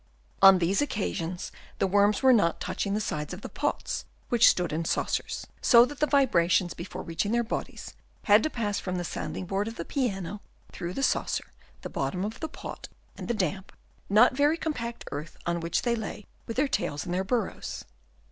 On these occasions the worms were not touching the sides of the pots, which stood in saucers ; so that the vibrations, before reaching their bodies, had to pass from the sounding board of the piano, through the saucer, the bottom of the pot and the damp, not very compact earth on which they lay with their tails in their burrows.